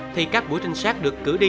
thì các buổi trinh sát được cử đi